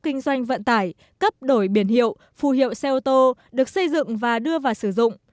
kinh doanh vận tải cấp đổi biển hiệu phù hiệu xe ô tô được xây dựng và đưa vào sử dụng